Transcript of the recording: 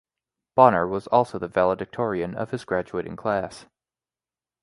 Bonner was also the Valedictorian of his graduating class.